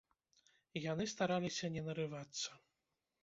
Яны стараліся не нарывацца.